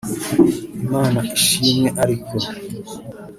Imana ishimwe ariko